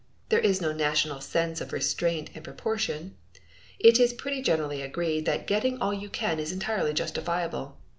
There is no national sense of restraint and proportion. It is pretty generally agreed that getting all you can is entirely justifiable.